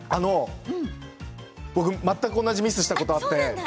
全く同じミスをしたことがあります。